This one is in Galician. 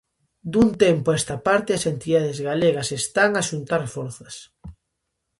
Dun tempo a esta parte, as entidades galegas están a xuntar forzas.